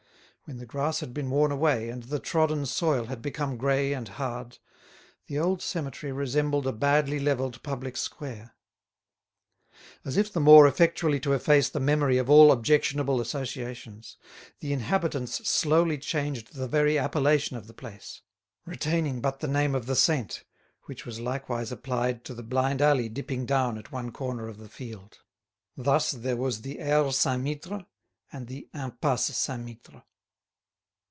When the grass had been worn away and the trodden soil had become grey and hard, the old cemetery resembled a badly levelled public square. As if the more effectually to efface the memory of all objectionable associations, the inhabitants slowly changed the very appellation of the place, retaining but the name of the saint, which was likewise applied to the blind alley dipping down at one corner of the field. Thus there was the Aire Saint Mittre and the Impasse Saint Mittre.